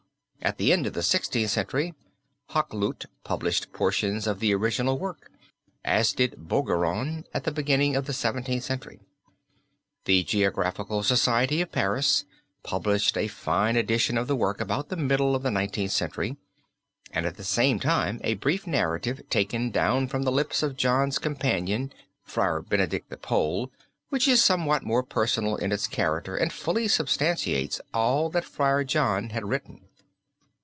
At the end of the Sixteenth Century Hakluyt published portions of the original work, as did Borgeron at the beginning of the Seventeenth Century. The Geographical Society of Paris published a fine edition of the work about the middle of the Nineteenth Century, and at the same time a brief narrative taken down from the lips of John's companion. Friar Benedict the Pole, which is somewhat more personal in its character and fully substantiates all that Friar John had written.